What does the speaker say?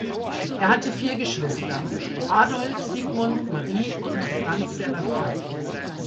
Er hatte vier Geschwister: Adolf, Sigmund, Marie und Franz-Serafin.